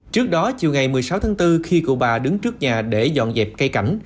trước đó chiều ngày một mươi sáu tháng bốn khi cụ bà đứng trước nhà để dọn dẹp cây cảnh